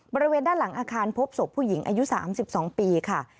บริเวณด้านหลังอาคารพบศพผู้หญิงอายุ๓๒ปีค่ะ